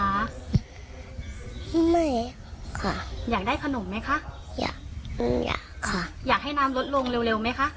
เหนื่อยค่ะอยากได้ขนมไหมคะอยากอืมอยากค่ะอยากให้น้ำลดลงเร็วเร็วไหมคะ